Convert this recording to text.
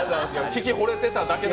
聴きほれてただけで。